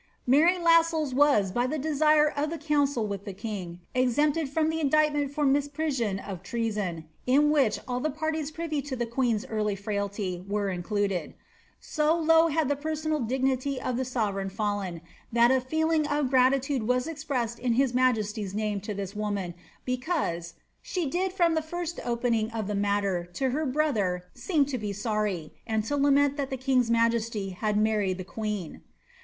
Mar>' Lassells was by the desire of the council with the king exempted from the indictment for misprision of treason, in which all the parties privy to the queen^s early frailty were included. So low had the per sonal dignity of the sovereign fallen, that a feeling of gratitude was expressed in his majesty's name to this woman, because ^^ she did from the fir^t opening of the matter to her brother seem to be sorry, and to lament that the king's majesty had married the queen."'